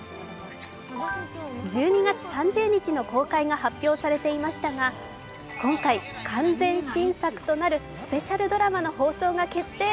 １２月３０日の公開が発表されていましたが、今回、完全新作となるスペシャルドラマの放送が決定。